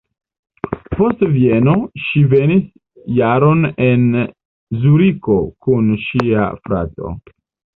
Post Vieno ŝi vivis jaron en Zuriko kun ŝia frato.